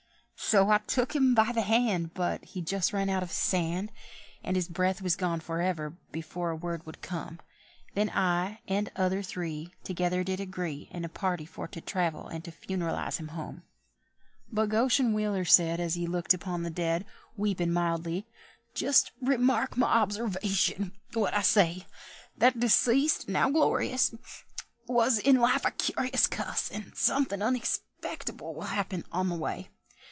So I took him by the hand, But he'd just run out his sand, And his breath was gone for ever—before a word would come; Then I and other three Together did agree In a party for to travel and to funeralise him home. But Goshen Wheeler said, As he looked upon the dead, Weepin' mildly, "Just remark my observation what I say: That deceased, now glori_ous_, Was in life a curious cuss, And somethin' unexpectable will happen on the way.